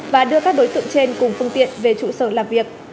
và đưa các đối tượng trên cùng phương tiện về trụ sở làm việc